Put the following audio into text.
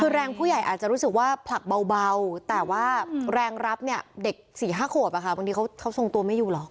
คือแรงผู้ใหญ่อาจจะรู้สึกว่าผลักเบาแต่ว่าแรงรับเนี่ยเด็ก๔๕ขวบบางทีเขาทรงตัวไม่อยู่หรอก